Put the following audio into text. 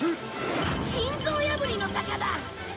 心臓破りの坂だ。